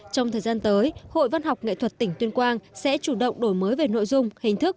trong thời gian tới hội văn học nghệ thuật tỉnh tuyên quang sẽ chủ động đổi mới về nội dung hình thức